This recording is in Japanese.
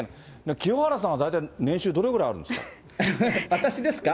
清原さんは、大体年収、どれぐら私ですか？